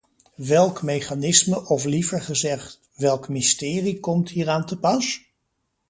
Welk mechanisme of liever gezegd welk mysterie komt hieraan te pas?